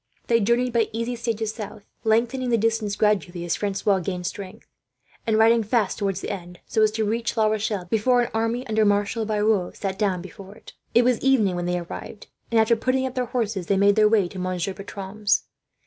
They journeyed by easy stages south, lengthening the distances gradually as Francois gained strength; and riding fast, towards the end, so as to reach La Rochelle before an army, under Marshal Biron, sat down before it. It was evening when they arrived, and after putting up their horses they made their way to Monsieur Bertram's.